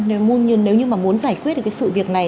nếu như mà muốn giải quyết được cái sự việc này